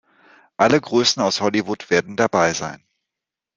Alle Größen aus Hollywood werden dabei sein.